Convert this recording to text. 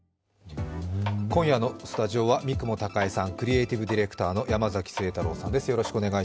今夜のスタジオは、三雲孝江さん、クリエーティブディレクタの山崎晴太郎さんです。